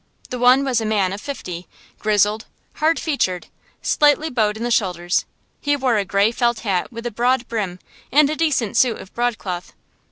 The one was a man of fifty, grizzled, hard featured, slightly bowed in the shoulders; he wore a grey felt hat with a broad brim and a decent suit of broadcloth.